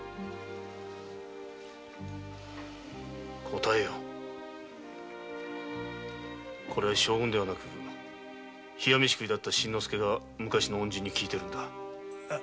答えよこれは将軍ではなく冷や飯食いだった新之助が昔の恩人に聞いているのだ。